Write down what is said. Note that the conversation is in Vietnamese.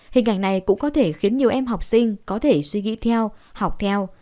hình ảnh này cũng có thể khiến nhiều em học sinh có thể suy nghĩ theo học theo